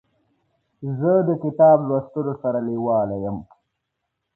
زه د کتاب لوستلو سره لیواله یم.